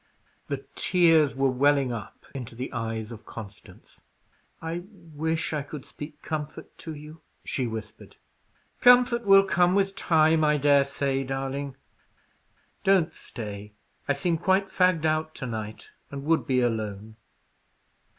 The tears were welling up into the eyes of Constance. "I wish I could speak comfort to you!" she whispered. "Comfort will come with time, I dare say, darling. Don't stay. I seem quite fagged out to night, and would be alone."